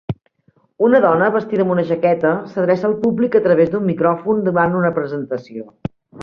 Una dona, vestida amb una jaqueta, s'adreça al públic a través d'un micròfon durant una presentació.